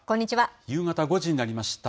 夕方５時になりました。